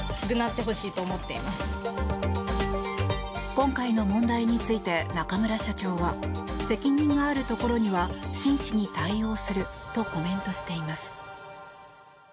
今回の問題について中村社長は責任があるところには真摯に対応するとコメントしています。